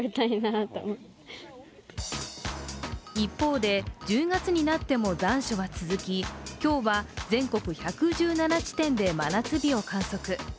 一方で、１０月になっても残暑は続き、今日は全国１１７地点で真夏日を観測。